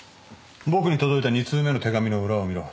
僕に届いた２通目の手紙の裏を見ろ。